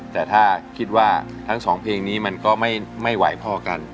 แต่ถ้าคิดว่าทั้งสองเพลงนี้มันก็ไม่ไหวพอกัน